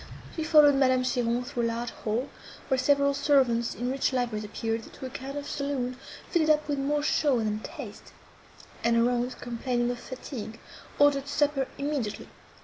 She followed Madame Cheron through a large hall, where several servants in rich liveries appeared, to a kind of saloon, fitted up with more show than taste; and her aunt, complaining of fatigue, ordered supper immediately.